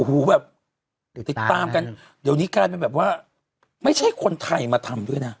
หูแบบเดี๋ยวติดตามกันเดี๋ยวนี้กลายเป็นแบบว่าไม่ใช่คนไทยมาทำด้วยนะ